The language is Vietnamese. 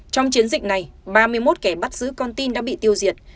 trong chiến dịch này ba mươi một kẻ bắt giữ con tin đã bị tiêu diệt